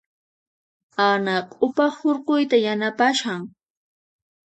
Ana q'upa hurquyta yanapashan.